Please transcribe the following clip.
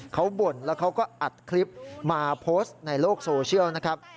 เขาบ่นแล้วเขาก็อัดคลิปมาโพสต์ในโลกโซเชียลนะครับ